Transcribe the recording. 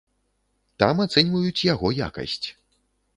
Там ацэньваюць яго якасць.